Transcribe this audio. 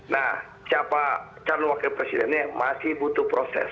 nah siapa calon wakil presidennya masih butuh proses